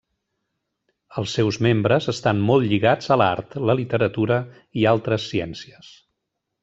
Els seus membres estan molt lligats a l'art, la literatura i altres ciències.